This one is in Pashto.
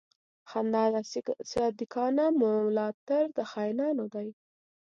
خنډ د صادقانو، ملا تړ د خاينانو دی